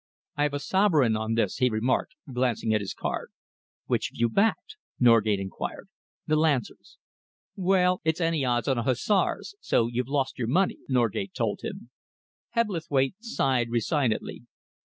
"I have a sovereign on this," he remarked, glancing at his card. "Which have you backed?" Norgate enquired. "The Lancers." "Well, it's any odds on the Hussars, so you've lost your money," Norgate told him. Hebblethwaite sighed resignedly.